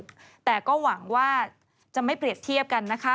ก็น่าสนุกแต่ก็หวังว่าจะไม่เปรียบเทียบกันนะคะ